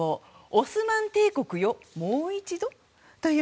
オスマン帝国よ、もう一度？